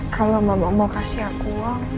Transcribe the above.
kalau mama mau kasih aku